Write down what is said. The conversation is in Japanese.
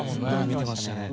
見てましたね。